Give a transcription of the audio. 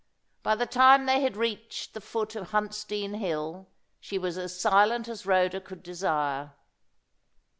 By the time they had reached the foot of Huntsdean hill, she was as silent as Rhoda could desire.